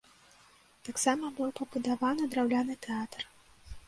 Таксама быў пабудаваны драўляны тэатр.